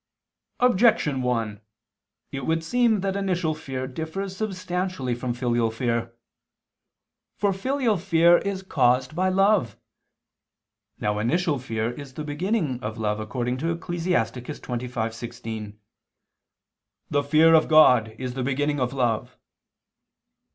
Objection 1: It would seem that initial fear differs substantially from filial fear. For filial fear is caused by love. Now initial fear is the beginning of love, according to Ecclus. 25:16, "The fear of God is the beginning of love."